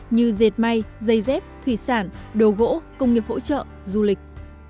như dệt may dây dép thủy sản đồ gỗ công nghiệp hỗ trợ du lịch